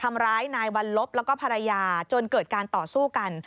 ทำร้ายนายวันลบแล้วก็ภรรยาจนเกิดการต่อสู้กัน